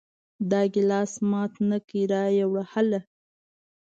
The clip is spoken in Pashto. دا ګلاس مات نه کې را یې وړه هله!